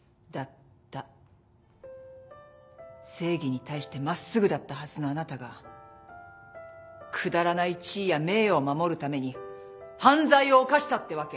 正義に対して真っすぐだったはずのあなたがくだらない地位や名誉を守るために犯罪を犯したってわけ？